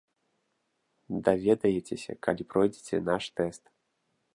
Даведаецеся, калі пройдзеце наш тэст.